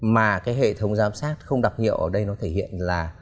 mà cái hệ thống giám sát không đặc hiệu ở đây nó thể hiện là